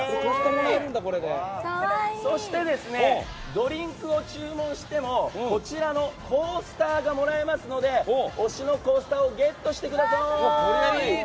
そして、ドリンクを注文してもこちらのコースターがもらえますので推しのコースターをゲットしてください。